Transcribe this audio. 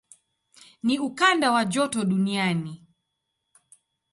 Ni ukanda wa joto duniani.